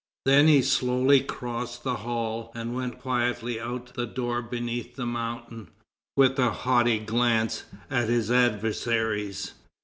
Then he slowly crossed the hall and went quietly out by the door beneath the Mountain, with a haughty glance at his adversaries.